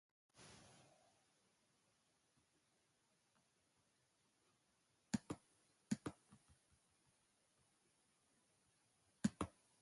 Bestalde, talentu berrien bila dauden enpresariak eta balizko langileak bilduko ditugu bertan.